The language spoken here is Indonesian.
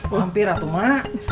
mampir atu mak